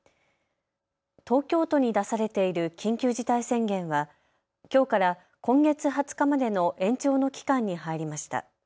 東京都に出されている緊急事態宣言はきょうから今月２０日までの延長の期間に入りました。